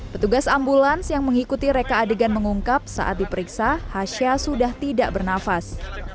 petugas ambulans yang mengikuti reka adegan mengungkap saat diperiksa hasya sudah tidak bernafas